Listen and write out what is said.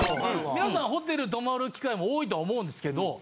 皆さんホテル泊まる機会も多いと思うんですけど。